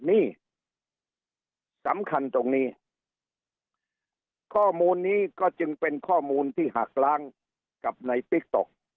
นี่สำคัญตรงนี้ข้อมูลนี้ก็จึงเป็นข้อมูลที่หักล้างกับในติ๊กต๊อก